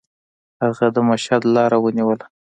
هغه د مشهد لاره ونیوله.